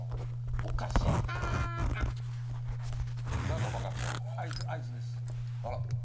おかしいあいつあいつですあら